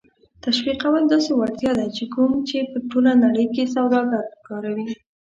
تشویقول داسې وړتیا ده کوم چې په ټوله نړۍ کې سوداګر کاروي.